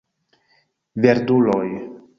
Verduloj!